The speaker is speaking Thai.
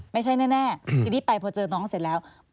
ไม่ใช่แน่ทีนี้ไปพอเจอน้องเสร็จแล้ว